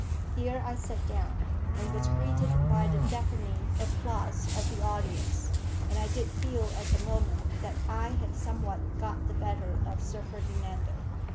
Here I sat down, and was greeted by the deafening applause of the audience; and I did feel at the moment that I had somewhat got the better of Sir Ferdinando.